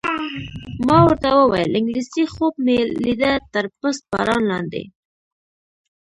ما ورته وویل: انګلېسي خوب مې لیده، تر پست باران لاندې.